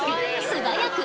素早く！